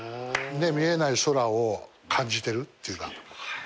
見えない空を感じてるっていうか。